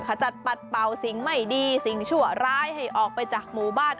ขจัดปัดเป่าสิ่งไม่ดีสิ่งชั่วร้ายให้ออกไปจากหมู่บ้าน